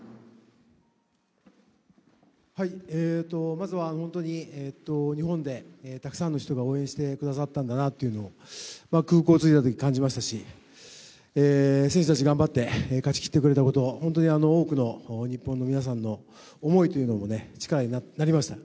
まずは本当に日本でたくさんの人が応援してくださったんだなというのを空港に着いたとき感じましたし、選手たち頑張って勝ちきってくれたこと、本当に多くの日本の皆さんの思いというものも力になりました。